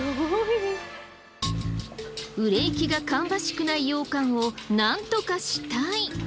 売れ行きが芳しくない羊かんをなんとかしたい。